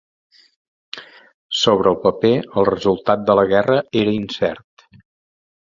Sobre el paper, el resultat de la guerra era incert.